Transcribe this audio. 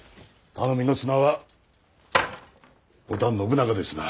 頼みの綱は織田信長ですな。